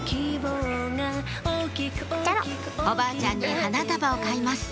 おばあちゃんに花束を買います